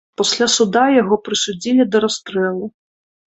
Пасля суда яго прысудзілі да расстрэлу.